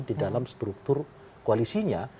di dalam struktur koalisinya